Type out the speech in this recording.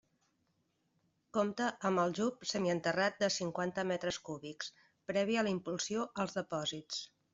Compta amb aljub semienterrat de cinquanta metres cúbics, previ a la impulsió als depòsits.